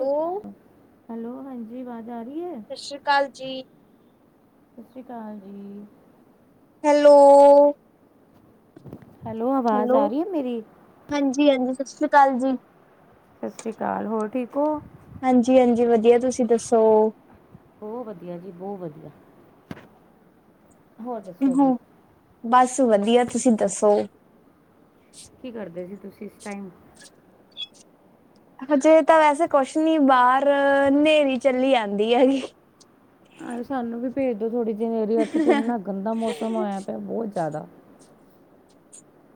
Hello, hello, ਹਾਂਜੀ, ਆਵਾਜ਼ ਆ ਰਹੀ ਹੈ? ਸਤਿ ਸ੍ਰੀ ਅਕਾਲ ਜੀ। ਸਤਿ ਸ੍ਰੀ ਅਕਾਲ ਜੀ। ਹੈਲੋ! ਹੈਲੋ, ਆਵਾਜ਼ ਆ ਰਹੀ ਏ, ਮੇਰੀ? ਹਾਂਜੀ-ਹਾਂਜੀ, ਸਤਿ ਸ੍ਰੀ ਅਕਾਲ ਜੀ। ਸਤਿ ਸ਼੍ਰੀ ਅਕਾਲ, ਹੋਰ ਠੀਕ ਹੋ? ਹਾਂਜੀ-ਹਾਂਜੀ, ਵਧੀਆ। ਤੁਸੀਂ ਦੱਸੋ? ਬਹੁਤ ਵਧੀਆ ਜੀ, ਬਹੁਤ ਵਧੀਆ। ਹੋਰ ਦੱਸੋ ਹੋ। ਜੀ ਬਸ ਵਧੀਆ, ਤੁਸੀ ਦੱਸੋ? ਕੀ ਕਰਦੇ ਜੀ, ਤੁਸੀ ਇਸ ਟਾਈਮ? ਹਜੇ ਤਾਂ ਵੈਸੇ ਕੁਛ ਨੀ, ਬਾਹਰ ਹਨੇਰੀ ਚੱਲੀ ਆਂਦੀ ਆ ਜੀ। ਹਾਏ, ਸਾਨੂੰ ਵੀ ਭੇਜ ਦੋ ਥੋੜੀ ਜੀ ਹਨੇਰੀ, ਇੱਥੇ ਤੇ ਇੰਨਾ ਗੰਦਾ ਮੌਸਮ ਹੋਇਆ ਪਿਆ, ਬਹੁਤ ਜ਼ਿਆਦਾ।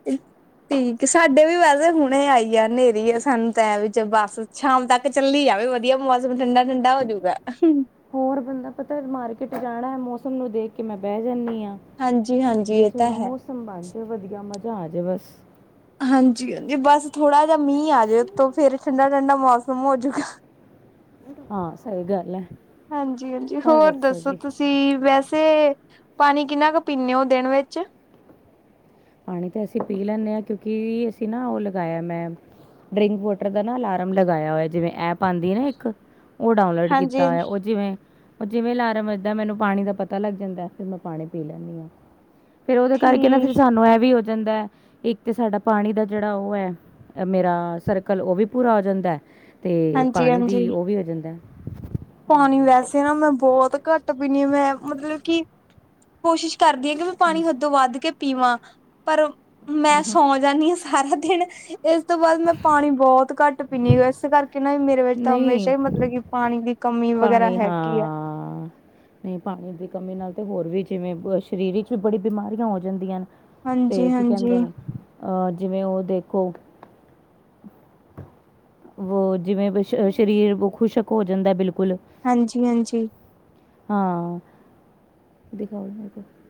ਇਲ ਠੀਕ ਏ, ਸਾਡੇ ਵੀ ਵੈਸੇ ਹੁਣੇ ਆਈ ਆ ਹਨੇਰੀ, ਅਸਾਨੂੰ ਤਾਂ ਵਿੱਚ ਬਸ ਸ਼ਾਮ ਤੱਕ ਚੱਲੀ ਜਾਵੇ, ਵਧੀਆ ਮੌਸਮ ਠੰਡਾ-ਠੰਡਾ ਹੋਜੂਗਾ। ਹੋਰ ਬੰਦਾ ਪਤਾ ਮਾਰਕੀਟ ਜਾਣਾ ਹੈ, ਮੌਸਮ ਨੂੰ ਦੇਖਕੇ ਮੈਂ ਬਹਿ ਜਾਂਨੀ ਆਂ, ਹਾਂਜੀ-ਹਾਂਜੀ, ਵੀ ਇਹ ਤਾਂ ਥੋੜਾ ਹੈ। ਮੌਸਮ ਸੰਭਾਲਕੇ ਵਧੀਆ ਮਜ਼ਾ ਆਜੇ, ਬਸ। ਹਾਂਜੀ-ਹਾਂਜੀ ਬਸ ਥੋੜਾ ਜਾ ਮੀਂਹ ਆਜੇ, ਉਥੋਂ ਫਿਰ ਠੰਡਾ-ਠੰਡਾ ਮੌਸਮ ਹੋਜੂਗਾ। ਹਾਂ ਸਹੀ ਗੱਲ ਹੈ ਹਾਂਜੀ-ਹਾਂਜੀ, ਹੋਰ ਦੱਸੋ ਤੁਸੀਂ? ਤੁਸੀਂ ਵੈਸੇ, ਪਾਣੀ ਕਿੰਨਾ ਕੁ ਪੀਦੇ ਹੋ ਦਿਨ ਵਿੱਚ। ਪਾਣੀ ਤੇ ਅਸੀਂ ਪੀ ਲੈਂਦੇ ਹਾਂ। ਕਿਉਂਕਿ ਅਸੀਂ ਨਾ ਉਹ ਲਗਾਇਆ। ਮੈਂ ਡਰਿੰਕ ਵਾਟਰ ਦਾ ਨਾ, ਅਲਾਰਮ ਲਗਾਇਆ ਹੋਇਆ ਜਿਵੇਂ। ਐਪ ਆਉਦੀ ਹੈ ਨਾ ਇੱਕ, ਉਹ ਡਾਊਨਲੋਡ ਕੀਤਾ ਹਾਂਜੀ ਹੋਇਆ। ਉਹ ਜਿਵੇਂ ਉਹ ਜਿਵੇਂ ਅਲਾਰਮ ਵੱਜਦਾ ਮੈਨੂੰ ਪਾਣੀ ਦਾ ਪਤਾ ਲੱਗ ਜਾਂਦਾ, ਫਿਰ ਮੈਂ ਪਾਣੀ ਪੀ ਲੈਂਨੀ ਆਂ। ਫੇਰ ਉਹਦੇ ਠੀ ਕਰਕੇ ਨਾ, ਫੇਰ ਸਾਨੂੰ ਇਹ ਵੀ ਹੋ ਜਾਂਦਾ ਹੈ। ਇੱਕ ਤੇ ਸਾਡਾ ਪਾਣੀ ਦਾ ਜਿਹੜਾ ਉਹ ਹੈ। ਮੇਰਾ ਸਰਕਲ ਉਹ ਵੀ ਪੂਰਾ ਹੋ ਜਾਂਦਾ। ਤੇ ਪਾਣੀ ਦੀ ਹਾਂਜੀ-ਹਾਂਜੀ। ਉਹ ਵੀ ਹੋ ਜਾਂਦਾ। ਪਾਣੀ ਵੈਸੇ ਨਾ, ਮੈਂ ਬਹੁਤ ਘੱਟ ਪੀਣੀ ਹਾਂ। ਮੈਂ ਮਤਲਬ ਕਿ ਕੋਸ਼ਿਸ਼ ਕਰਦੀ ਹਾਂ, ਕਿ ਹਮ, ਪਾਣੀ ਹਦੋਂ ਵੱਧ ਕੇ ਪੀਵਾਂ ਪਰ ਮੈਂ, ਹਮ, ਸੌ ਜਾਂਦੀ ਹਾਂ ਸਾਰਾ ਦਿਨ। ਇਸ ਤੋਂ ਬਾਅਦ ਮੈਂ, ਪਾਣੀ ਬਹੁਤ ਘੱਟ ਪੀਦੀ। ਇਸ ਕਰਕੇ ਨਾ ਮੇਰੇ ਵਿੱਚ, ਤਾਂ ਨਹੀਂ ਹਮੇਸ਼ਾ ਹੀ ਮਤਲਬ ਕਿ ਪਾਣੀ ਦੀ। ਕਮੀ ਵਗੈਰਾ ਪਾਣੀ ਹੈਗੀ ਆ ਹਾਂ। ਨਹੀਂ ਪਾਣੀ ਦੀ ਕਮੀ ਨਾਲ ਤੇ, ਹੋਰ ਵੀ ਜਿਵੇਂ ਸਰੀਰ ਵਿੱਚ ਵੀ, ਬੜੀ ਬਿਮਾਰੀਆਂ ਹੋ ਜਾਂਦੀਆਂ ਨੇ। ਤੇ ਕੀ ਹਾਂਜੀ-ਹਾਂਜੀ, ਕਹਿੰਦੇ ਨੇ, ਅਹ ਜਿਵੇਂ ਉਹ ਦੇਖੋ। ਵੋ ਜਿਵੇਂ ਸਰੀਰ, ਖੁਸ਼ਕ ਹੋ ਜਾਂਦਾ ਬਿਲਕੁਲ। ਹਾਂਜੀ- ਹਾਂਜੀ। ਹਾਂ ਦਿਖਾ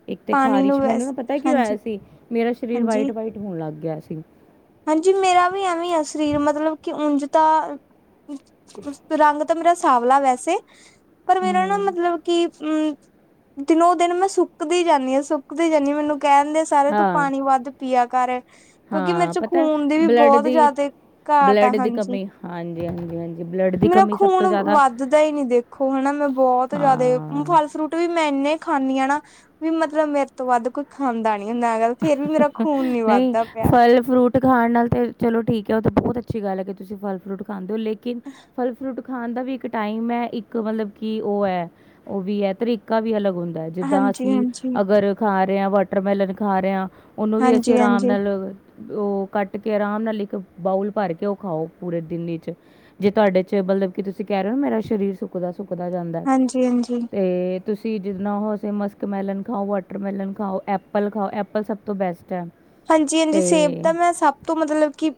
ਇੱਕ ਤੇ ਪਾਣੀ ਨੂੰ ਖਾਰਿਸ਼ ਮੈਨੂੰ ਨਾ, ਵੈਸ ਪਤਾ ਕਿ ਹੋਇਆ ਸੀ। ਮੇਰਾ ਸਰੀਰ ਹਾਂਜੀ-ਹਾਂਜੀ। ਵਾਈਟ- ਵਾਈਟ, ਹੋਣ ਲੱਗ ਗਿਆ ਸੀ। ਹਾਂਜੀ ਮੇਰਾ ਵੀ ਐਵੇਂ ਆ, ਸਰੀਰ ਮਤਲਬ ਕਿ ਉਂਝਤਾ ਰੰਗ। ਤਾਂ ਮੇਰਾ ਸਵਲਾ ਵੈਸੇ, ਪਰ ਮੇਰਾ ਨਾ ਹੂੰ ਮਤਲਬ ਕਿ ਅਮ। ਦਿਨੋ ਦਿਨ ਮੈਂ ਸੁੱਕਦੀ ਜਾਂਦੀ ਹਾਂ। ਸੁੱਕਦੀ ਜਾਂਦੀ ਹਾਂ। ਮੈਨੂੰ ਕਹਿਣਦੇ ਸਾਰੇ ਤੂੰ ਹਾਂ ਪਾਣੀ ਵੱਧ ਪੀਆ ਕਰ, ਕਿਉਂਕਿ ਮੇਰੇ ਹਾਂ ਚੋ ਪਤਾ ਖੂਨ ਦੀ ਵੀ ਬਲੱਡ ਬਹੁਤ ਦੀ ਜਿਆਦਾ ਘਾਟ ਆ। ਬਲੱਡ ਦੀ ਹਾਂਜੀ, ਕਮੀ ਹਾਂਜੀ ਹਾਂਜੀ ਹਾਂਜੀ ਬਲੱਡ ਦੀ ਮੇਰਾ ਕਮੀ ਸਭ ਤੋਂ ਖੁਣ ਜ਼ਿਆਦਾ ਵੱਧਦਾ ਹੀ ਨੀ, ਦੇਖੋ ਹਨਾ ਮੈਂ ਬਹੁਤ ਜਿਆਦਾ ਹਾਂ ਫਲ- ਫਰੂਟ ਵੀ ਮੈਂ ਇੰਨੇ ਖਾਂਦੀ ਹ ਨਾ। ਵੀ ਮਤਲਬ ਮੇਰੇ ਤੋਂ ਵੱਧ ਕੋਈ ਖਾਂਦਾ ਨਹੀਂ। ਹੁੰਦਾ ਹੈ, ਫੇਰ ਵੀ ਮੇਰਾ ਖੂਨ ਨੀ ਨਹੀਂ ਵੱਧਦਾ ਪਿਆ। ਫਲ- ਫਰੂਟ। ਫਟ ਖਾਣ ਨਾਲ ਤਾਂ ਚਲੋ ਠੀਕ ਹੈ, ਉਹ ਤਾਂ ਬਹੁਤ ਅੱਛੀ ਗੱਲ ਹੈ ਕਿ, ਤੁਸੀਂ ਫਲ ਫਰੂਟ ਖਾਣਦੇ ਹੋ। ਲੇਕਿਨ ਫ਼ਲ ਫਰੂਟ ਖਾਣ ਦਾ ਵੀ ਇੱਕ ਟਾਈਮ ਹੈ, ਇੱਕ ਮਤਲਬ ਕਿ ਉਹ ਹੈ। ਉਹ ਵੀ ਹੈ ਤਰੀਕਾ ਵੀ ਅਲੱਗ ਹੁੰਦਾ। ਜਿੱਦਾਂ ਹਾਂਜੀ ਅਸੀਂ ਹਾਂਜੀ ਅਗਰ ਖਾ ਰਹੇ ਹਾਂ, ਵਾਟਰਮੈਲਨ ਖਾ ਰਹੇ ਹਾਂ। ਉਹਨੂੰ ਵੀ ਅਸੀਂ ਹਾਂਜੀ ਆਰਾਮ ਹਾਂਜੀ ਨਾਲ ਉਹ ਕੱਟ ਕੇ, ਆਰਾਮ ਨਾਲ ਇੱਕ ਬਾਊਲ ਭਰ ਕੇ ਉਹ ਖਾਓ। ਪੂਰੇ ਦਿਨ ਵਿਚ। ਜੇ ਤੁਹਾਡੇ ਚ ਮਤਲਬ, ਕੀ ਤੁਸੀਂ ਕਹਿ ਰਹੇ ਹੋ ਮੇਰਾ ਸਰੀਰ ਸੁੱਕਦਾ- ਸੁੱਕਦਾ ਜਾਂਦਾ। ਹਾਂਜੀ-ਹਾਂਜੀ। ਤੇ ਤੁਸੀਂ ਜਿੱਦਾਂ ਉਹਸੀਂ ਮਸਕਮੈਲਨ ਖਾਓ, ਵਾਟਰਮੈਲਨ ਖਾਓ, ਐਪਲ ਖਾਓ, ਐਪਲ ਸਭ ਤੋਂ ਬੈਸਟ ਹੈ। ਹਾਂਜੀ- ਹਾਂਜੀ ਸੇਬ ਅਤੇ ਤਾਂ ਮੈਂ, ਸਭ ਤੋਂ ਮਤਲਬ ਕਿ,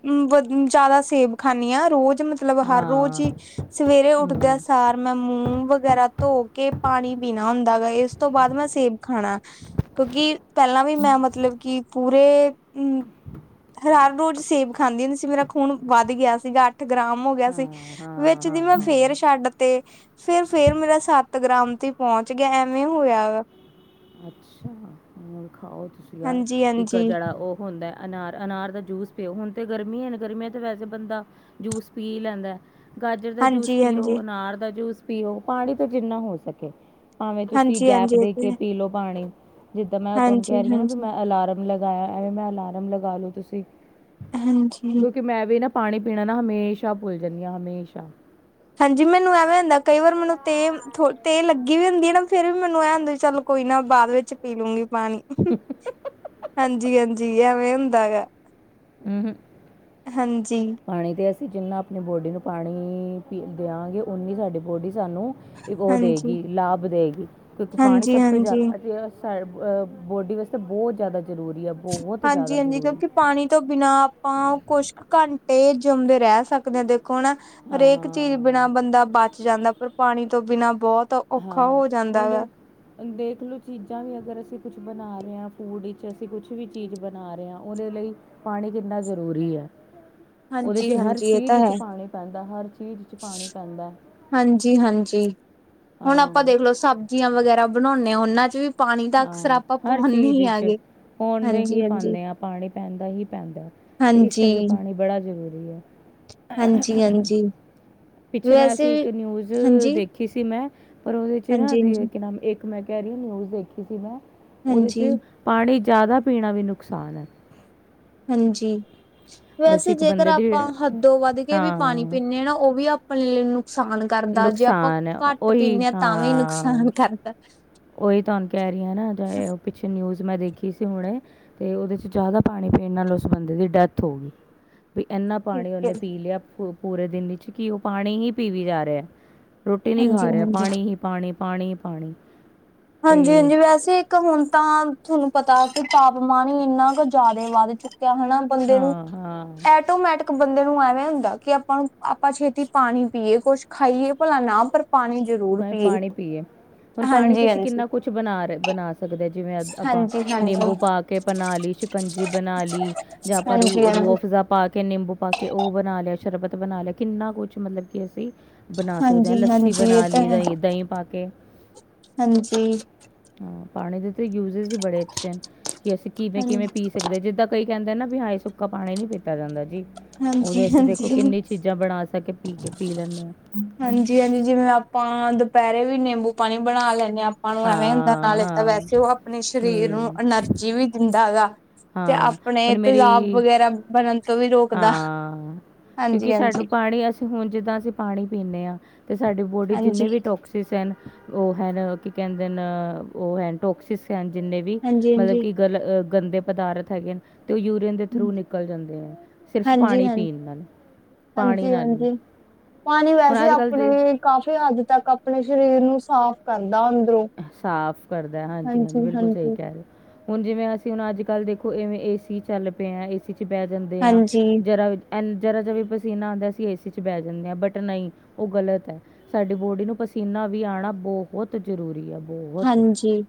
ਜ਼ਿਆਦਾ ਸੇਬ ਖਾਂਦੀ ਹਾਂ। ਰੋਜ਼ ਮੈਂ ਮਤਲਬ ਹਰ ਰੋਜ਼ ਹਾਂ ਹੀ। ਸਵੇਰੇ ਉੱਠਦਿਆਂ ਹਮ ਸਾਰ ਮੈਂ, ਮੂੰਹ ਵਗੈਰਾ ਧੋ ਕੇ ਪਾਣੀ ਪੀਣਾ ਹੁੰਦਾ ਵਾ। ਇਸ ਤੋਂ ਬਾਅਦ ਮੈਂ ਸੇਬ ਖਾਣਾ, ਕਿਉਂਕਿ ਪਹਿਲਾਂ ਵੀ ਮੈਂ ਮਤਲਬ ਕਿ ਫਰੂਟ ਪੂਰੇ ਹਮ ਹਰ ਰੋਜ਼ ਸੇਬ ਖਾਂਦੀ ਹੁੰਦੀ ਸੀ। ਮੇਰਾ ਖੂਨ ਵੱਧ ਗਿਆ ਸੀਗਾ। ਆਠ ਗ੍ਰਾਮ ਹੋ ਗਿਆ ਸੀ, ਹਾਂ ਹਾਂ ਵਿੱਚ ਦੀ ਹਾਂ ਮੈਂ ਫੇਰ ਹਾਂ ਛੱਡ ਤੇ ਫੇਰ, ਫੇਰ ਮੇਰਾ ਸੱਤ ਗ੍ਰਾਮ ਤੇ ਪਹੁੰਚ ਗਿਆ। ਐਵੇਂ ਹੋਇਆ ਵਾ। ਅੱਛਾ, ਹੋਰ ਖਾਓ ਤੁਸੀਂ ਯਾਰ। ਇੱਕ ਹਾਂਜੀ-ਹਾਂਜੀ। ਜਿਹੜਾ ਉਹ ਹੁੰਦਾ ਅਨਾਰ, ਅਨਾਰ ਦਾ ਜੂਸ ਪਿਓ। ਹੁਣ ਤੇ ਗਰਮੀ ਏ, ਗਰਮੀਆਂ ਤੇ ਵੈਸੇ ਬੰਦਾ ਜੂਸ ਪੀ ਲੈਂਦਾ ਏ। ਗਾਜਰ ਦਾ ਜੂਸ ਪੀਓ, ਹਾਂਜੀ-ਹਾਂਜੀ, ਅਨਾਰ ਦਾ ਜੂਸ ਪੀਓ, ਪਾਣੀ ਤਾਂ ਜਿੰਨਾ ਹੋ ਸਕੇ ਭਾਵੇਂ ਤੁਸੀਂ ਹਾਂਜੀ-ਹਾਂਜੀ ਗੈਪ ਇਹ ਦੇ ਤੇ ਕੇ, ਪੀ ਲੋਓ ਪਾਣੀ। ਜਿੱਦਾਂ ਮੈਂ ਤੁਹਾਨੂੰ ਹਾਂਜੀ, ਕਹਿ ਰਹੀ ਆਂ ਨਾ। ਵੀ ਹਾਂਜੀ, ਮੈਂ ਅਲਾਰਮ ਲਗਾਇਆ ਐਵੇਂ ਮੈਂ। ਅਲਾਰਮ ਲਗਾ ਲੋ ਤੁਸੀਂ ਹਾਂਜੀ। ਕਿਉਂਕਿ ਮੈਂ ਵੀ ਨਾ ਪਾਣੀ ਪੀਣਾ ਨਾ ਹਮੇਸ਼ਾ ਭੁੱਲ ਜਾਂਦੀ ਆ, ਹਮੇਸ਼ਾ। ਹਾਂਜੀ ਮੈਨੂੰ ਐਵੇਂ ਹੁੰਦਾ। ਕਈ ਵਾਰ ਮੈਨੂੰ ਤੇ, ਤੇ ਲੱਗੀ ਵੀ ਹੁੰਦੀ ਹੈ ਨਾ। ਫੇਰ ਵੀ ਮੈਨੂੰ ਐਂ ਹੁੰਦੈ ਚਲੋ ਕੋਈ ਨਾ ਬਾਅਦ ਵਿੱਚ ਪੀ ਲੂੰਗੀ ਪਾਣੀ। ਹਾਂਜੀ, ਹਾਂਜੀ ਐਵੇਂ ਹੁੰਦਾ ਵਾ ਹੂੰ, ਹ ਹਾਂਜੀ। ਪਾਣੀ ਤੇ ਅਸੀ ਜਿੰਨਾ ਆਪਣੀ ਬੋਡੀ ਨੂੰ ਪਾਣੀ ਪੀ ਦਿਆਂਗੇ ਓਨੀ ਸਾਡੀ ਬੋਡੀ ਸਾਨੂੰ ਉਹ ਹਾਂਜੀ, ਦੇਗੀ ਲਾਭ ਦੇਗੀ ਕਿਉਂਕਿ ਪਾਣੀ ਹਾਂਜੀ, ਸਭ ਤੋਂ ਹਾਂਜੀ। ਜ਼ਿਆਦਾ ਅ ਸਾਡੇ ਅ ਬੋਡੀ ਵਾਸਤੇ ਬਹੁਤ ਜਾਦਾ ਜ਼ਰੂਰੀ ਆ ਬਹੁਤ ਜਾਦਾ ਹਾਂਜੀ, ਹਾਂਜੀ ਕਿਉਂਕਿ ਜ਼ਰੂਰੀ। ਪਾਣੀ ਤੋਂ ਬਿਨਾ ਆਪਾ ਕੁਛ ਘੰਟੇ ਜਮਦੇ ਰਹਿ ਸਕਦੇ ਹਾਂ ਦੇਖੋ ਹੁਣ ਹਰ ਏਕ ਚੀਜ਼ ਬਿਨਾ ਹਾਂ ਬੰਦਾ ਬਚ ਜਾਂਦਾ ਪਰ ਪਾਣੀ ਤੋਂ ਬਿਨਾਂ ਬਹੁਤ ਔਖਾ ਹੋ ਜਾਂਦਾ ਵਾ। ਦੇਖਲੋ ਚੀਜ਼ਾਂ ਵੀ ਅਗਰ ਅਸੀ ਕੁਛ ਬਣਾ ਰਹੇ ਹਾਂ ਫੂਡ ਚ ਅਸੀ ਕੁਛ ਵੀ ਚੀਜ਼ ਬ ਨਹਾ ਰੇ ਆ ਉਹਦੇ ਲਈ ਪਾਣੀ ਕਿੰਨਾ ਜ਼ਰੂਰੀ ਹੈ। ਉਹਦੇ ਹਾਂਜੀ, ਚ ਹਰ ਹਾਂਜੀ ਇਹ ਚੀਜ਼ ਤਾਂ ਇਚ ਹੈ। ਪਾਣੀ ਪੈਂਦਾ ਹਰ ਚੀਜ਼ ਇਚ ਪਾਣੀ ਪੈਂਦਾ। ਹਾਂਜੀ-ਹਾਂਜੀ ਹੁਣ ਆਪਾ ਹਾਂ ਦੇਖਲੋ ਸਬਜ਼ੀਆ ਵਗੈਰਾ ਬਣਾਉਂਦੇ ਹਾ ਉਹਨਾ ਚ ਵੀ ਪਾਣੀ ਦਾ ਅਕਸਰ ਹਾਂ, ਆਪਾਂ ਹਰ ਪਾਉਂਦੇ ਚੀਜ਼ ਹੀ ਚ ਆਗੇ। ਹੋਣ ਦੇ ਹਾਂਜੀ ਹੀ ਹਾਂਜੀ ਪਾਉਂਦੇ ਆ ਪਾਣੀ ਪੈਣਦਾ ਹੀ ਪੈਂਦਾ। ਤੇ ਇਸ ਹਾਂਜੀ ਕਰਕੇ ਪਾਣੀ ਬੜਾ ਜ਼ਰੂਰੀ ਹੈ। ਹਾਂਜੀ ਹਾਂਜੀ ਪਿੱਛੇ ਮੈਂ ਵੈਸੇ ਅਸੀਂ ਇੱਕ ਵੀ ਨਿਊਜ਼ ਹਾਂਜੀ ਦੇਖ ਖੀ ਸੀ ਮੈਂ ਪਰ ਉਹਦੇ ਚ ਨਾ ਹਾਂਜੀ ਹਾਂਜੀ ਨਾਮ ਇੱਕ ਮੈਂ ਕਹਿ ਰਹੀ ਹਾ ਨਿਊਜ਼ ਦੇਖ ਸੀ ਮੈਂ ਉਹਦੇ ਹਾਂਜੀ ਚ ਪਾਣੀ ਜਾਦਾ ਪੀਣਾ ਵੀ ਨੁਕਸਾਨ ਹੈ। ਹਾਂਜੀ, ਉਹਦੇ 'ਚ ਵੈਸੇ ਇੱਕ ਜੇਕਰ ਬੰਦੇ ਦੀ ਆਪਾ ਹੱਦੋ ਵੱਧ ਕੇ ਵੀ ਪਾਣੀ ਹਾਂ ਪੀਨੇ ਹਾ ਨਾ ਉਹ ਵੀ ਆਪ ਪਹਲੇ ਨੁਕਸਾਨ ਕਰਦਾ ਜੇ ਆਪਾ ਨੁਕਸਾਨ ਹੈ ਘੱਟ ਉਹੀ ਪੀਨੇ ਹਾ ਤਾ ਵੀ ਨੁਕਸਾਨ ਕਰਦਾ। ਕਿ ਤੁਹਾਨੂੰ ਕਹਿ ਰਹੀ ਹ ਨਾ ਪਿੱਛੇ ਨਿਊਜ਼ ਮੈਂ ਦੇਖੀ ਸੀ ਹੁਣੇ ਤੇ ਉਹਦੇ ਚ ਜਾਦਾ ਪਾਣੀ ਪੀਣ ਨਾਲ ਉਸ ਬੰਦੇ ਦੀ ਡੈਥ ਹੋ ਗਈ। ਵੀ ਇਨਾ ਠੀਕ ਪਾਣੀ ਹੈ ਉਹਨੇ ਪੀ ਲਿਆ ਪੂਰੇ ਦਿਨ ਵਿੱਚ ਕਿ ਉਹ ਪਾਣੀ ਹੀ ਪੀਵੀ ਜਾ ਰਿਹਾ। ਰੋਟੀ ਨੀ ਹਾਂਜੀ ਖਾ ਰਿਹਾ ਹਾਂਜੀ ਪਾਣੀ ਹੀ ਪਾਣੀ, ਪਾਣੀ ਹੀ ਪਾਣੀ। ਅਤੇ ਹਾਂਜੀ-ਹਾਂਜੀ ਵੈਸੇ ਇੱਕ ਹੁਣ ਤਾਂ ਤੁਹਾਨੂੰ ਪਤਾ ਕਿ ਤਾਪਮਾਨ ਹੀ ਇੰਨਾ ਕੁ ਜਾਦਾ ਹੀ ਵੱਧ ਚੁੱਕਿਆ ਹਨਾ। ਬੰਦੇ ਨੂੰ ਹਾਂ ਹਾਂ ਐਟੋਮੈਟਿਕ ਇੱਕ ਬੰਦੇ ਨੂੰ ਐਵੇਂ ਹੁੰਦਾ ਕਿ ਆਪਾ ਨੂੰ ਆਪਾ ਛੇਤੀ ਪਾਣੀ ਪੀਏ ਕੁੱਛ ਖਾਈਏ ਭਲਾ ਨਾ ਪਰ ਪਾਣੀ ਜ਼ਰੂਰ ਭਾਵੇਂ ਪੀਏ ਹਾਂਜੀ-ਹਾਂਜੀ। ਕੁਛ ਬਣਾ ਰਹੇ ਬਣਾ ਸਕਦੇ ਜਿਵੇਂ ਆਪਾ ਹਾਂਜੀ ਹਾਂਜੀ ਨਿੰਬੂ ਪਾ ਕੇ ਬਣਾ ਲੀ ਸ਼ਿਕੰਜੀ ਬਣਾ ਲੀ ਜਾਂ ਆਪਾਂ ਹਾਂਜੀ ਰੂਹ ਹਾਂਜੀ ਰੂਹਆਫ ਜ਼ਾ ਪਾ ਕੇ ਨਿੰਬੂ ਪਾ ਕੇ ਉਹ ਬਣਾ ਲਿਆ, ਸ਼ਰਬਤ ਬਣਾ ਲਿਆ, ਕਿੰਨਾ ਕੁਛ ਮਤਲਬ ਕਿ ਅਸੀਂ ਬਣਾ ਸਕਦੇ ਹਾ ਹਾਂਜੀ ਲੱਸੀ ਹਾਂਜੀ ਇਹ ਬਣਾ ਤਾਂ ਲਈ ਹੈ ਦਹੀ, ਦਹੀ ਪਾ ਕੇ ਹਾਂਜੀ ਹਾ, ਪਾਣੀ ਦੇ ਤੇ ਯੂਜੇਜ਼ ਹੀ ਬੜੇ ਅੱਛੇ ਨੇ ਕਿ ਅਸੀ ਹਾਂ ਕਿਵੇ-ਕਿਵੇ ਪੀ ਸਕਦੇ ਆ ਜਿੱਦਾ ਕਈ ਕਹਿੰਦੇ ਨਾ ਵੀ ਹਾਏ ਸੁੱਕਾ ਪਾਣੀ ਨੀ ਪੀਤਾ ਜਾਂਦਾ ਜੀ ਹਾਂਜੀ ਉਹਦੇ ਅਸੀ ਦੇਖੋ ਹਾਂਜੀ ਕਿੰਨੀ ਚੀਜ ਜ਼ਾ ਬਣਾ ਸਕੇ ਪੀ ਕੇ ਪੀ ਲੈਨੇ ਆ। ਹਾਂਜੀ-ਹਾਂਜੀ ਜਿਵੇਂ ਆਪ ਪਾ ਦੁਪਹਿਰੇ ਵੀ ਨਿੰਬੂ ਪਾਣੀ ਬਣਾ ਲੈਂਣੇੇ ਹਾ ਆਪਾ ਨੂੰ ਐਵੇਂ ਹੁੰਦਾ ਹਾਂ ਨਾਲੇ ਹਾਂ ਵੈਸੇ ਉਹ ਆਪਣੇ ਸ਼ਰੀਰ ਨੂੰ ਹੂੰ ਐਨਰਜੀ ਵੀ ਦਿੰਦਾ ਹੈਗਾ। ਤੇ ਹਾਂ, ਆਪਣੇ ਹੁਣ ਤੇਜ਼ਾਬ ਮੇਰੀ ਵਗੈਰਾ ਬਣਨ ਤੋ ਵੀ ਰੋਕਦਾ। ਹਾਂ, ਹਾਂਜੀ ਕਿਉਂਕਿ ਸਾਨੂੰ ਹਾਂਜੀ ਪਾਣੀ ਅਸੀ ਹੁਣ ਜਿੱਦਾ ਅਸੀ ਪਾਣੀ ਪੀਨੇ ਹਾ ਤੇ ਸਾਡੀ ਬੋਡੀ ਹਾਂਜੀ ਜਿੰਨੇ ਵੀ ਟੋਕਸ ਕਸਿਸ ਹੈਨ ਉਹ ਹੈਨ ਕੀ ਕਹਿੰਦੇ ਨ ਉਹ ਹੈ ਟੋਕਸਿਸ ਹਨ ਜਿੰਨੇ ਵੀ ਹਾਂਜੀ ਮਤਲਬ ਹਾਂਜੀ ਕਿ ਗਲ ਗੰਦੇ ਪਦਾਰਥ ਹੈਗੇ ਤੇ ਉਹ ਯੂਰੀਅਨ ਦੇ ਥਰੂ ਨਿਕਲ ਜਾਂਦੇ ਆ ਸਿਰਫ਼ ਹਾਂਜੀ ਪਾਣੀ ਹਾਂਜੀ ਪੀਣ ਨਾਲ। ਪਾਣੀ ਨਾਲ ਹੀ ਹਾਂਜੀ-ਹਾਂਜੀ ਪਾਣੀ ਹੁਣ ਵੈਸੇ ਅੱਜ ਕੱਲ੍ਹ ਦੇ ਆਪਣੇ ਕਾਫ਼ੀ ਹੱਦ ਤੱਕ ਆਪਣੇ ਸਰੀਰ ਨੂੰ ਸਾਫ ਕਰਦਾ ਅੰਦਰੋ। ਸਾਫ਼ ਕਰਦਾ ਹਾਂਜੀ-ਹਾਂਜੀ ਬਿਲਕੁਲ ਸਹੀ ਕਹਿ ਰਹੇ ਹੋ। ਹੁਣ ਜਿਵੇਂ ਅਸੀ ਹੁਣ ਅੱਜ ਕੱਲ ਦੇਖੋ ਇਵੇ ਏਸੀ ਚੱਲ ਪਏ ਹਾ ਏਸੀ ਚ ਬਹਿ ਜਾਂਦੇ ਹਾ ਹਾਂਜੀ, ਜ਼ਰਾ ਐਨ ਜ਼ਰਾ ਜਾ ਵੀ ਪਸੀਨਾ ਆਉਂਦਾ ਅਸੀਂ ਏ ਸੀ ਚ ਬਹਿ ਜਾਂਦੇ ਹਾ ਬਟ ਨਈ ਉਹ ਗਲਤ ਹੈ। ਸਾਡੀ ਬੋਡੀ ਨੂੰ ਪਸੀਨਾ ਵੀ ਆਉਣਾ ਬੋਹਤ ਜ਼ਰੂਰੀ ਆ ਹਾਂਜੀ, ਬੋਹਤ। ਹਾਂਜੀ,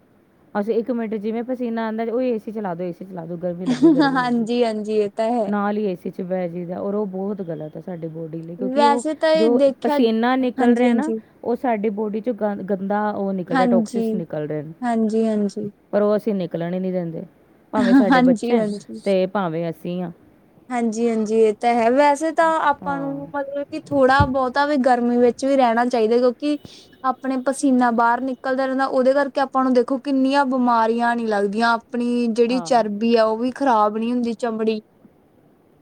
ਅਸੀਂ ਇੱਕ ਮਿੰਟ ਜਿਵੇ ਪਸੀਨਾ ਆਦਾ ਓਏ ਏਸੀ ਚਲਾ ਦੋ ਏਸੀ ਚਲਾ ਦੋ। ਗਰਮੀ ਲੱਗੀ-ਗਰਮੀ ਲੱਗੀ ਹਾਂਜੀ ਹਾਂਜੀ ਇਹ ਤਾਂ ਹੈ। ਨਾਲ ਹੀ ਏਸੀ ਚ ਬਹਿ ਜਦਾ ਔਰ ਉਹ ਬਹੁਤ ਗਲਤ ਹੈ ਸਾਡੇ ਬੋਡੀ ਕਿਉਂਕਿ ਉਹ ਵੈਸੇ ਤਾਂ ਇਹ ਜੋ ਦੇਖਿਆ ਪਸੀਨਾ ਨਿਕਲ ਹਾਂਜੀ, ਰਿਹਾ ਨਾ ਹਾਂਜੀ, ਉਹ ਸਾਡੀ ਬੋਡੀ ਚ ਗੰ ਗੰਦਾ ਉਹ ਨਿਕਲ ਰਿਹਾ ਹਾਂਜੀ, ਟੋਕਸਿਸ ਨਿਕਲ ਰਹੇ ਨੇ, ਹਾਂਜੀ, ਹਾਂਜੀ। ਪਰ ਉਹ ਅਸੀਂ ਨਿਕਲਣ ਹੀ ਨਹੀ ਦਿੰਦੇ ਭਾਵੇਂ ਸਾਡੇ ਹਾਂਜੀ, ਬੱਚਾ ਤੇ ਭਾਵੇਂ ਅਸੀ ਸਹੀ ਆ ਹਾਂਜੀ- ਹਾਂਜੀ ਇਹ ਤਾਂ ਹੈ ਵੈਸੇ ਤਾਂ ਆਪਾਂ ਹਾਂ ਨੂੰ ਮਤਲਬ ਥੋੜਾ ਬਹੁਤਾ ਵੀ ਗਰਮੀ ਵਿੱਚ ਵੀ ਰਹਿਣਾ ਚਾਹੀਦਾ ਕਿਉਂਕਿ ਆਪਣੇ ਪਸੀਨਾ ਬਾਹਰ ਨਿਕਲਦਾ ਰਹਿੰਦਾ ਉਹਦੇ ਕਰਕੇ ਆਪਾਂ ਨੂੰ ਦੇਖੋ ਕਿੰਨੀਆਂ ਬਿਮਾਰੀਆਂ ਨੀ ਲੱਗਦੀਆਂ ਆਪਣੀ ਜਿਹੜੀ ਹਾਂ ਚਰਬੀ ਆ ਉਹ ਵੀ ਖ਼ਰਾਬ ਨੀ ਹੁੰਦੀ ਚਮੜੀ,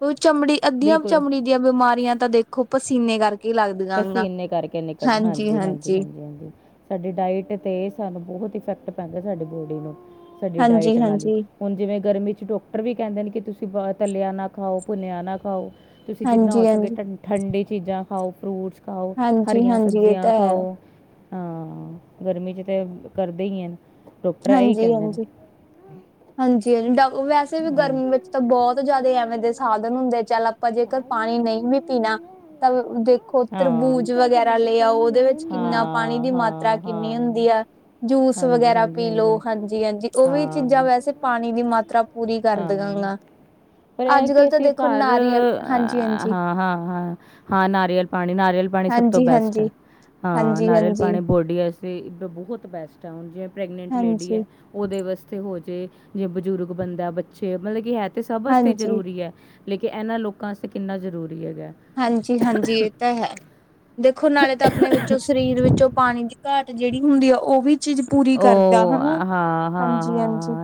ਉਹ ਚਮੜੀ ਅੱਧੀਆਂ ਬਿਲਕੁਲ ਚਮੜੀ ਦੀਆਂ ਬਿਮਾਰੀਆਂ ਤਾਂ ਦੇਖੋ ਪਸੀਨੇ ਕਰਕੇ ਹੀ ਲੱਗਦੀਆਂ ਗ ਪਸੀਨੇ ਕਰਕੇ ਨਿਕਲ ਹਾਂਜੀ, ਹਾਂਜੀ, ਹਾਂਜੀ-ਹਾਂਜੀ, ਹਾਂਜੀ, ਹਾਂਜੀ ਸਾਡੀ ਡਾਇਟ ਤੇ ਸਾਨੂੰ ਬਹੁਤ ਇਫੈਕਟ ਪੈਂਦਾ ਸਾਡੀ ਬੋਡੀ ਨੂੰ, ਸਾਡੀ ਡਾਇਟ ਨਾਲ ਹੀ ਹਾਂਜੀ-ਹਾਂਜੀ, ਹੁਣ ਜਿਵੇਂ ਗਰਮੀ ਚ ਡਾਕਟਰ ਵੀ ਕਹਿੰਦੇ ਕਿ ਤੁਸੀਂ ਤਲਿਆ ਨਾ ਖਾਓ, ਭੁੰਨਿਆ ਨਾ ਖਾਓ ਤੁਸੀਂ ਜਿੰਨਾ ਹੋ ਸਕੇ ਹਾਂਜੀ-ਹਾਂਜੀ, ਠੰਡੀ ਚੀਜ਼ਾਂ ਖਾਓ ਫਰੂਟਸ ਖਾਓ ਹਰੀਆਂ ਹਾਂਜੀ-ਹਾਂਜੀ ਇਹ ਸਬਜ਼ੀਆਂ ਤਾਂ ਹੈ ਖਾਓ ਹਾਂ ਗਰਮੀ ਚ ਤੇ ਕਰਦੇ ਹੀ ਡਾਕਟਰ ਇਹੀ ਹਾਂਜੀ, ਕਹਿੰਦੇ ਨੇ ਹਾਂਜੀ, ਹਾਂਜੀ, ਹਾਂਜੀ ਵੈਸੇ ਵੀ ਹਾਂ ਗਰਮੀ ਵਿੱਚ ਤਾਂ ਬਹੁਤ ਜਿਆਦਾ ਐਵੇਂ ਦੇ ਸਾਧਨ ਹੁੰਦੇ ਚੱਲ ਆਪਾਂ ਜੇਕਰ ਪਾਣੀ ਨਹੀ ਵੀ ਪੀਣਾ ਤਾਂ ਦੇ ਖੋਤਰ ਹਾਂ ਤਰਬੂਜ ਵਗੈਰਾ ਲਿਆਓ ਉਹਦੇ ਵਿੱਚ ਕਿੰਨਾ ਪਾਣੀ ਹਾਂ ਦੀ ਮਾਤਰਾ ਹਾਂ ਹਾਂ ਕਿੰਨੀ ਹੁੰਦੀ ਆ ਜੂਸ ਹਾਂਜੀ ਵਗੈਰਾ ਹਾਂਜੀ ਪੀ ਲਓ ਹਾਂਜੀ- ਹਾਂਜੀ ਉਹ ਵੀ ਹਾਂ ਚੀਜ਼ਾਂ ਵੈਸੇ ਪਾਣੀ ਦੀ ਮਾਤਰਾ ਤਰਾ ਪੂਰੀ ਕਰ ਹਾਂ ਦੇਵਾਗਾ ਪਰ ਇਹ ਕਿ ਅਸੀਂ ਘਰ ਹਾਂਜੀ-ਹਾਂਜੀ। ਹਾਂ, ਹਾਂ, ਹਾਂ, ਹਾਂ ਨਾਰੀਅਲ ਪਾਣੀ ਨਾਰੀਅਲ ਪਾਣੀ ਸਭ ਤੋਂ ਬੈਸਟ ਹੈ, ਹਾਂਜੀ-ਹਾਂਜੀ, ਹਾਂ ਨਾਰੀਅਲ ਹਾਂਜੀ-ਹਾਂਜੀ, ਪਾਣੀ ਬੋਡੀ ਚ ਤੇ ਬਹੁਤ ਬੈਸਟ ਹੈ ਹੁਣ ਜਿਵੇਂ ਪ੍ਰੈਗਨੈਂਟ ਲੇਡੀ ਹਾਂਜੀ, ਹੈ ਉਹਦੇ ਵਾਸਤੇ ਹੋਜੇ, ਜੇ ਬਜ਼ੁਰਗ ਬੰਦਾ ਬੱਚੇ ਮਤਲਬ ਕਿ ਹੈ ਤੇ ਸਭ ਵਾਸਤੇ ਹਾਂਜੀ, ਜ਼ਰੂਰੀ ਹੈ। ਲੇਕਿਨ ਇਹਨਾਂ ਲੋਕਾਂ ਵਾਸਤੇ ਕਿੰਨਾ ਜ਼ਰੂਰੀ ਹੈਗਾ ਹਾਂਜੀ- ਹਾਂਜੀ ਇਹ ਤਾਂ ਹੈ। ਦੇਖੋ ਨਾਲੇ ਤਾਂ ਆਪਣੇ ਵਿੱਚੋਂ ਸਰੀਰ ਵਿੱਚੋਂ ਪਾਣੀ ਦੀ ਘਾਟ ਜਿਹੜੀ ਹੁੰਦੀ ਆ ਉਹ ਵੀ ਚੀਜ਼ ਪੂਰੀ ਕਰਦਾ ਉਹ ਹਨਾ ਹਾਂ ਹਾਂ ਹਾਂ ਹਾਂਜੀ- ਹਾਂਜੀ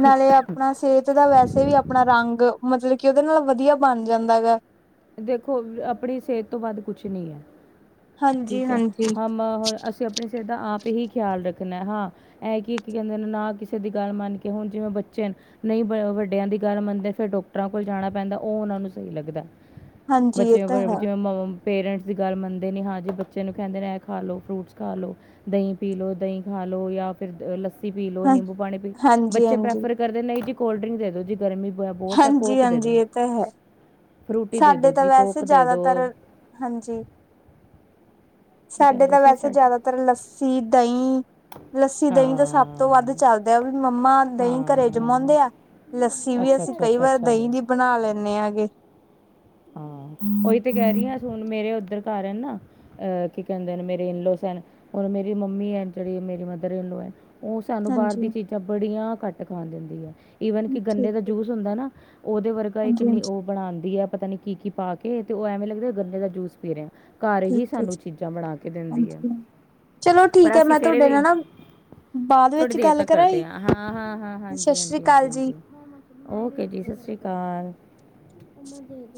ਨਾਲੇ ਆਪਣਾ ਸਿਹਤ ਦਾ ਵੈਸੇ ਵੀ ਆਪਣਾ ਰੰਗ ਮਤਲਬ ਕਿ ਉਹਦੇ ਨਾਲ ਵਧੀਆ ਬਣ ਜਾਂਦਾ ਹੈਗਾ ਦੇਖੋ ਆਪਣੀ ਸਿਹਤ ਤੋਂ ਵੱਧ ਕੁਛ ਨੀ ਹੈ, ਹਾਂਜੀ ਠੀਕ ਹੈ, ਹਾਂਜੀ ਹਮ ਹੁਣ ਅ ਤੁਸੀਂ ਆਪਣੇ ਸਿਹਤ ਦਾ ਆਪ ਹੀ ਖਿਆਲ ਰੱਖਣਾ ਹਾਂ। ਐ ਕਿ ਕਹਿੰਦੇ ਨੇ ਨਾ ਕਿਸੇ ਦੀ ਗੱਲ ਮੰਨ ਕੇ ਹੁਣ ਜਿਵੇਂ ਬੱਚੇ ਨੇ ਨਹੀਂ ਵੱਡਿਆਂ ਦੀ ਗੱਲ ਮੰਨਦੇ ਫਿਰ ਡਾਕਟਰਾਂ ਕੋਲ ਜਾਣਾ ਪੈਂਦਾ ਉਹ ਉਹਨਾਂ ਨੂੰ ਸਹੀ ਲੱਗਦਾ। ਹਾਂਜੀ ਇਹ ਬੱਚਿਆਂ ਤਾਂ ਬ ਹੈ ਜਿਵੇਂ ਮਾਂਵਾ ਪੇਰੈਂਟਸ ਦੀ ਗੱਲ ਮੰਨਦੇ ਨਹੀਂ ਹਾਂ ਜੀ ਬੱਚੇ ਨੂੰ ਕਹਿੰਦੇ ਨੇ ਇਹ ਖਾ ਲਓ ਫਰੂਟਸ ਖਾ ਲਓ। ਦਹੀਂ ਪੀਲੋ ਦਹੀਂ ਖਾ ਲੋ ਜਾਂ ਫਿਰ ਲੱ ਲਸੀ ਪੀ ਲਓ ਹਾਂ ਨਿੰਬੂ ਪਾਣੀ ਪੀ ਹਾਂਜੀ ਬੱਚੇ ਹਾਂਜੀ। ਪ੍ਰੈਫਰ ਕਰਦੇ ਨਹੀਂ ਜੀ ਕੋਲਡ ਡਰਿੰਕ ਦੇ ਦੋ ਜੀ ਗਰਮੀ ਬਹੁਤ ਆ ਕੋਕ ਦੇ ਦੋ। ਤੇ ਹੈ, ਸਾਡੇ ਤਾਂ ਵੈਸੇ ਕੋਕ ਦੇ ਜ਼ਿਆਦਾਤਰ ਦਿਓ ਹਾਂਜੀ ਕੀ ਕਹਿ ਸਾਡੇ ਰਹੇ ਤਾਂ ਸੀ ਵੈਸੇ ਸਾਡੇ ਜ਼ਿਆਦਾਤਰ ਲੱ ਸੀ ਦਹੀਂ ਲੱਸੀ, ਦਹੀਂ ਤਾਂ ਸਭ ਤੋਂ ਵੱਧ ਹਾਂ ਚੱਲਦੇ ਆ ਵੀ ਮੰਮਾ ਦਹੀਂ ਘਰੇ ਹਾਂ ਜਮਾਉਂਦੇ ਆ। ਲੱਸੀ ਵੀ ਅੱਛਾ ਅਸੀਂ ਅੱਛਾ ਕਈ ਅੱਛਾ ਵਾਰ ਅੱਛਾ ਦਹੀਂ ਹਾਂ ਦੀ ਬਣਾ ਲੈਂਦੇ ਹੈਗੇ। ਹਾਂ ਉਹੀ ਤੇ ਕਹਿ ਰਹੀ ਹ ਹੁਣ ਮੇਰੇ ਓਧਰ ਘਰ ਏ ਨਾ। ਅਹ ਕੀ ਕਹਿੰਦੇ ਨੇ ਮੇਰੇ ਇਨਲੋਸ ਹੁਣ ਮੇਰੀ ਮੰਮੀ ਐ ਜਿਹੜੀ ਮੇਰੀ ਮਦਰ ਇਨਲੋ ਹੈ। ਉਹ ਸਾਨੂੰ ਬਾਹਰ ਹਾਂਜੀ ਦੀ ਹੂੰ, ਚੀਜ਼ਾਂ ਬੜੀਆਂ ਘੱਟ ਖਾਣ ਦਿੰਦੀ ਏ। ਈਵਨ ਕਿ ਗੰਨੇ ਠੀਕ ਦਾ ਹੈ ਜੂਸ ਹੁੰਦਾ ਨਾ, ਉਹਦੇ ਵਰਗਾ ਹਾਂਜੀ ਕਿੰਨੀ ਹਾਂਜੀ ਉਹ ਬਣਾਉਂਦੀ ਹੈ ਪਤਾ ਨੀ ਕੀ- ਕੀ ਪਾ ਕੇ ਤੇ ਉਹ ਐਵੇਂ ਲੱਗ ਗੰਨੇ ਦਾ ਜੂਸ ਪੀ ਰਹੇ। ਘਰ ਹੀ ਠੀਕ ਹੈ ਸਾਨੂੰ ਜੀ ਚੀਜ਼ਾਂ ਬਣਾ ਕੇ ਦਿੰਦੀ ਹੈ, ਹਾਂਜੀ ਚਲੋ ਪਰ ਠੀਕ ਹੈ ਅਸੀਂ ਮੈਂ ਫਿਰ ਤੁਹਾਡੇ ਨਾਲ ਵੀ ਨਾ ਬਾਅਦ ਥੋੜੀ ਵਿੱਚ ਦੇਰ ਗੱਲ ਤੱਕ ਕਰਦੇ ਕਰਾਂਗੀ ਆ ਹਾਂ-ਹਾਂ-ਹਾਂ ਸਤਿ ਹਾਂਜੀ- ਸ੍ਰੀ ਹਾਂਜੀ ਅਕਾਲ ਜੀ -ਹਾਂਜੀ। ਓਕੇ ਜੀ ਸਤਿ ਸ਼੍ਰੀ ਅਕਾਲ